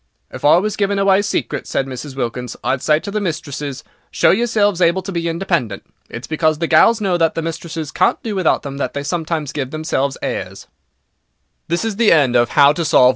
"If I was giving away secrets," said Mrs. Wilkins, "I'd say to the mistresses: 'Show yourselves able to be independent.' It's because the gals know that the mistresses can't do without them that they sometimes gives themselves airs." WHY WE HATE THE FOREIGNER.